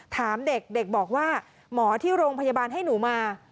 ถามเด็กเด็กบอกว่าหมอที่โรงพยาบาลให้หนูมา